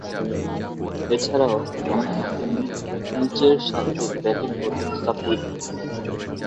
এছাড়াও, ডানহাতে নিচেরসারিতে ব্যাটিং করতেন শাব্বির আহমেদ।